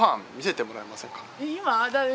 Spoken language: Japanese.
今？